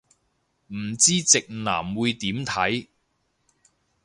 唔知直男會點睇